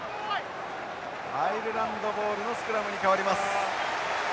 アイルランドボールのスクラムに変わります。